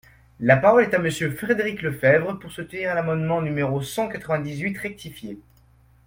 La parole est à Monsieur Frédéric Lefebvre, pour soutenir l’amendement numéro cent quatre-vingt-dix-huit rectifié.